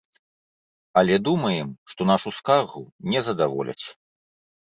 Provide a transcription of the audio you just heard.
Але думаем, што нашу скаргу не задаволяць.